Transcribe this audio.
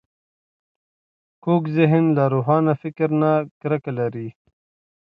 کوږ ذهن له روښان فکر نه کرکه لري